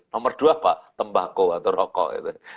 nomor dua tembako atau rokok